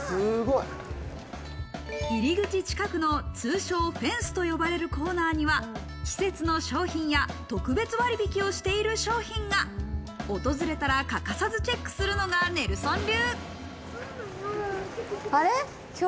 入り口近くの通称フェンスと呼ばれるコーナーには、季節の商品や特別割引をしている商品が訪れたら欠かさずチェックするのがネルソン流。